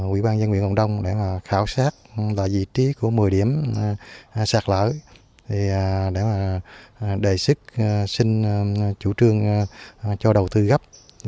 ủy ban nhân dân huyện cộng đồng đã khảo sát vị trí của một mươi điểm sạt lở để đề xuất xin chủ trương cho đầu tư gấp